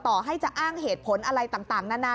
ต่อให้จะอ้างเหตุผลอะไรต่างนานา